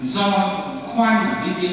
do khoan ở dưới dưới